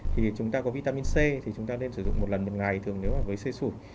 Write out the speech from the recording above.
thì chúng ta có vitamin c thì chúng ta nên sử dụng một lần một ngày thường nếu mà với xe sủi